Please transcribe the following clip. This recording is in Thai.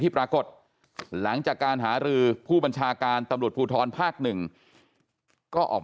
ปรากฏหลังจากการหารือผู้บัญชาการตำรวจภูทรภาค๑ก็ออก